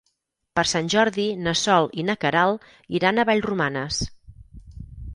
Per Sant Jordi na Sol i na Queralt iran a Vallromanes.